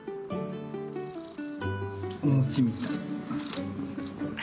お餅みたい。